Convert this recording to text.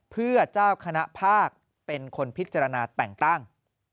เพื่อเจ้าคณะภาคเป็นคนพิจารณาแต่งตั้ง